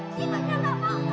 jangan jangan jangan